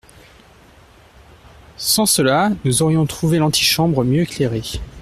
Sans cela, nous aurions trouvé l’antichambre mieux éclairée.